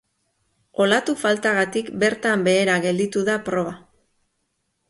Olatu faltagatik bertan behera gelditu da proba.